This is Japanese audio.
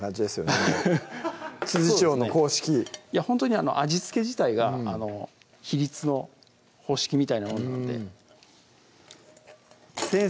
アハハッ調の公式ほんとに味付け自体が比率の方式みたいなものなので先生